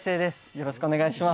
よろしくお願いします。